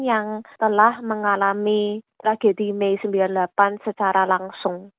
yang telah mengalami tragedi may seribu sembilan ratus sembilan puluh delapan secara langsung